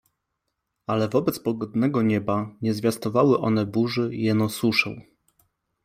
Ale wobec pogodnego nieba nie zwiastowały one burzy, jeno suszę.